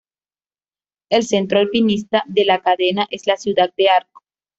El centro alpinista de la cadena es la ciudad de Arco.